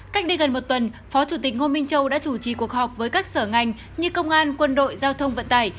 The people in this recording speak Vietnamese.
cách đây gần một tuần phó chủ tịch ngô minh châu đã chủ trì cuộc họp với các sở ngành như công an quân đội giao thông vận tải